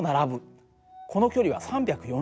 この距離は３４０ｍ。